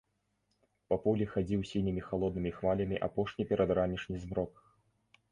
Па полі хадзіў сінімі халоднымі хвалямі апошні перадранішні змрок.